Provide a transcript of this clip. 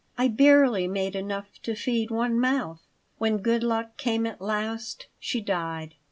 "I barely made enough to feed one mouth. When good luck came at last, she died.